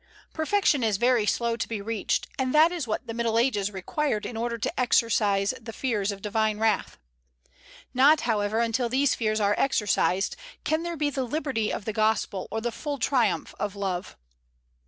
Perfection is very slow to be reached, and that is what the Middle Ages required in order to exorcise the fears of divine wrath. Not, however, until these fears are exorcised can there be the liberty of the gospel or the full triumph of love.